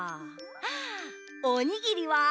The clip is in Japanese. あおにぎりは？